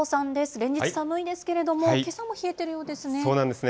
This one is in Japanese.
連日寒いですけれども、けさも冷そうなんですね。